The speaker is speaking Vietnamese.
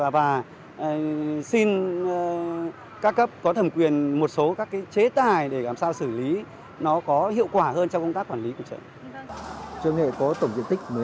và xin các cấp có thẩm quyền một số các chế tài để làm sao xử lý nó có hiệu quả hơn trong công tác quản lý của chợ